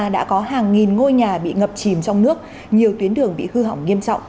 đã có hàng nghìn ngôi nhà bị ngập chìm trong nước nhiều tuyến đường bị hư hỏng nghiêm trọng